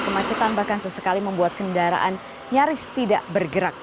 kemacetan bahkan sesekali membuat kendaraan nyaris tidak bergerak